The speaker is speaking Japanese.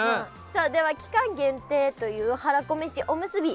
さあでは期間限定というはらこめしおむすび。